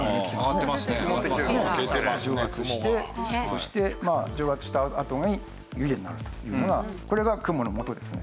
そして蒸発したあとに湯気になるというのがこれが雲の元ですね。